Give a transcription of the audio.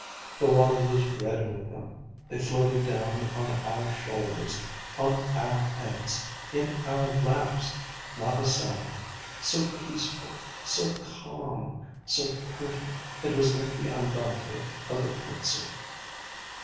The water was red with them, they floated down on our shoulders, on our heads, in our laps not a sound so peaceful so calm so perfect. It was like the andante of the Kreutzer.